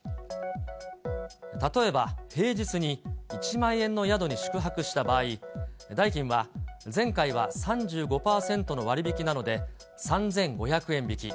例えば、平日に１万円の宿に宿泊した場合、代金は前回は３５％の割引なので３５００円引き。